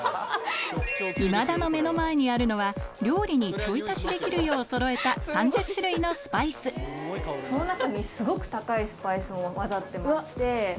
今田の目の前にあるのは料理にちょい足しできるようそろえた３０種類のスパイスその中にスゴく高いスパイスも交ざってまして。